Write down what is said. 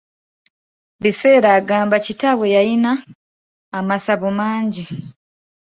Biseera agamba kitaabwe yalina amasabo mangi.